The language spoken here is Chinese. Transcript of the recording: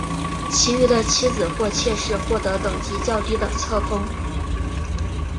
其余的妻子或妾室获得等级较低的册封。